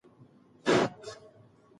دا غږ د زړه خبره وه.